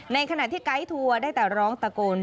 ในขณะที่ไกด์ทัวร์ได้แต่ร้องตะโกน